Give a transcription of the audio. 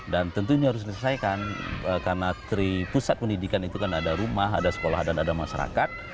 dan tentunya harus diselesaikan karena tiga pusat pendidikan itu kan ada rumah ada sekolah dan ada masyarakat